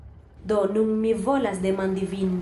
Do, nun mi volas demandi vin